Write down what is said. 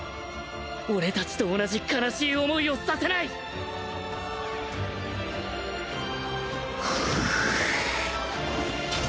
俺たちと同じ悲しい思いをさせないフフッ。